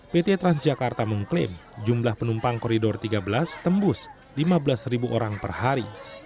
pt transjakarta mengklaim jumlah penumpang koridor tiga belas tembus lima belas orang per hari